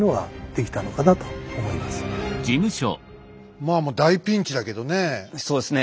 まあもう大ピンチだけどねえ。